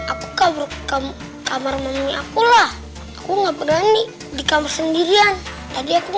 aku kabur kamu kamar mamanya aku lah aku nggak berani di kamar sendirian tadi aku